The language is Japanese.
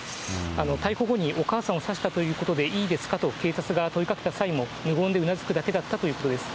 逮捕後に、お母さんを刺したということでいいですかと警察が問いかけた際も、無言でうなずくだけだったということです。